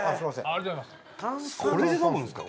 これで飲むんすか？